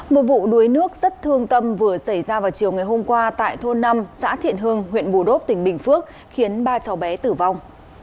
một vụ đuối nước rất thương tâm vừa xảy ra vào chiều ngày hôm qua tại thôn năm xã thiện hưng huyện bù đốp tỉnh bình phước khiến ba cháu bé tử vong